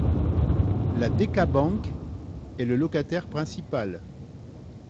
La DekaBank est le locataire principal.